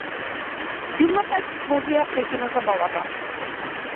Силната експлозија ја прекина забавата.